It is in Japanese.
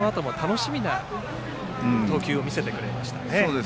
森岡投手はこのあとも楽しみな投球を見せてくれましたね。